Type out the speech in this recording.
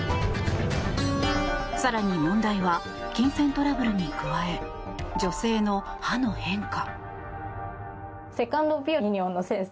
更に問題は金銭トラブルに加え女性の歯の変化。